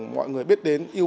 mọi người biết đến